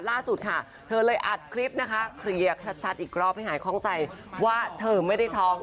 ล่าสุดค่ะเธอเลยอัดคลิปนะคะเคลียร์ชัดอีกรอบให้หายคล่องใจว่าเธอไม่ได้ท้อง